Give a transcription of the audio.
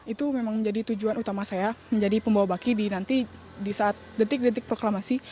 itu memang menjadi tujuan utama saya menjadi pembawa baki di nanti di saat detik detik proklamasi